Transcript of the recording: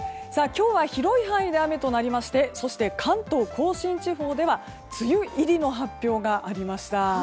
今日は広い範囲で雨となりましてそして関東・甲信地方では梅雨入りの発表がありました。